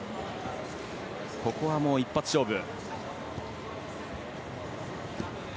ここは一発勝負。